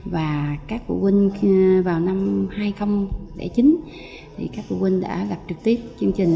và các bộ quân vào năm hai nghìn chín thì các bộ quân đã gặp trực tiếp chương trình